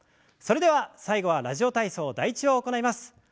それでは最後は「ラジオ体操第１」を行います。